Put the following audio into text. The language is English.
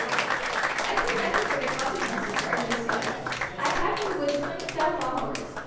"I care nothing for the consequences," Archie said. "I have in the woods twenty stout followers.